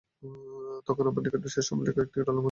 তখন আমার নিকট শেষ সম্বল কয়েকটি ডলার মাত্র ছিল।